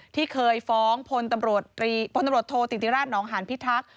ที่เคยฟ้องผลตำรวจโทษติติราชน์หนองหานพิทักษ์